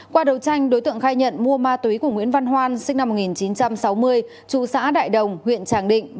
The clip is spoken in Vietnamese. qua đầu tranh đối tượng khai nhận mua ma túy của nguyễn văn hoan sinh năm một nghìn chín trăm sáu mươi trụ xã đại đồng huyện tràng định